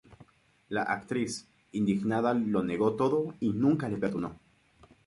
La actriz, indignada, lo negó todo y nunca le perdonó.